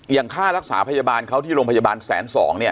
ค่ารักษาพยาบาลเขาที่โรงพยาบาลแสนสองเนี่ย